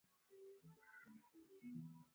muundo wa misitu na uhifadhi wa kaboni kwa